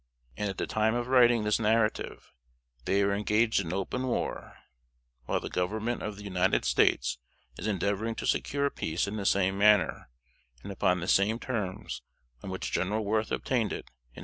And at the time of writing this narrative, they are engaged in open war; while the Government of the United States is endeavoring to secure peace in the same manner and upon the same terms on which General Worth obtained it, in 1843.